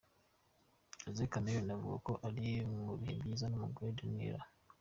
Jose Chameleone uvuga ko ari mu bihe byiza n'umugore, Daniella.